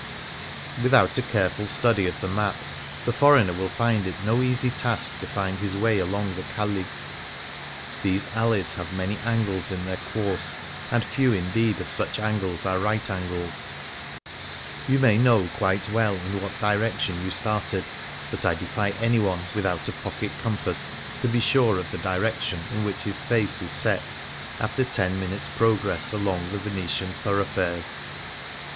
^Vithout a careful study of the map, the foreigner will find it no easy task to find his way along the calli. These alleys have many angles in their course, and few indeed of such angles are right angles. You may know quite well in what direction you started, but I defy anyone (without a pocket compass) to be sure of the direction in which his face is set after ten minutes' progress along the Venetian thorough fares